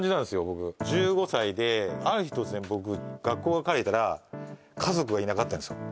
僕１５歳である日突然僕学校から帰ったら家族がいなかったんですよ